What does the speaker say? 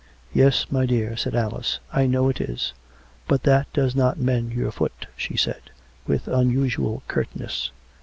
" Yes, my dear," said Alice. " I know it is. But that does not mend your foot," she said, with unusual curtness.